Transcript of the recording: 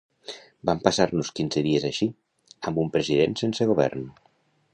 Vam passar-nos quinze dies així, amb un president sense govern.